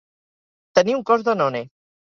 Tenir un cos Danone.